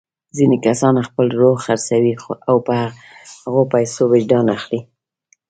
ځینې کسان خپل روح خرڅوي او په هغو پیسو وجدان اخلي.